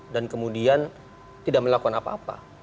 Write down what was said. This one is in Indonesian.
dan kemudian tidak melakukan apa apa